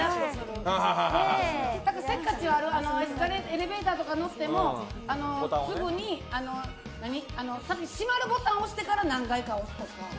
せっかちはエレベーターとか乗ってもすぐに閉まるボタンを押してから何階か押すとか。